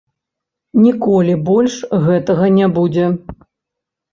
Ніколі больш гэтага не будзе.